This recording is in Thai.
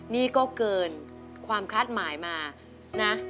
นี่ก็เกินความคาดหมายมานะ